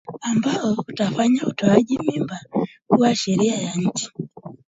ambao utafanya utoaji mimba kuwa sheria ya nchi